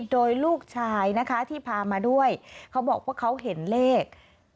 โดยลูกชายนะคะที่พามาด้วยเขาบอกว่าเขาเห็นเลข